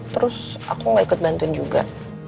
terus aku gak ikut bantuin juga